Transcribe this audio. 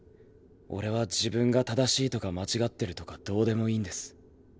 俺は自分が正しいとか間違ってるとかどうでもいいんです。